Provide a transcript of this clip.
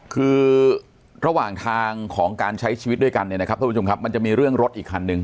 คือระหว่างทางของการใช้ชีวิตด้วยกันมันจะมีเรื่องรถอีกครั้งหนึ่ง